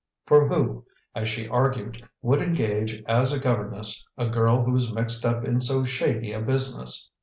For who, as she argued, would engage as a governess a girl who was mixed up in so shady a business?